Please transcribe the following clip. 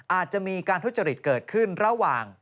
อาจจะมีการทุจริตเกิดขึ้นระหว่าง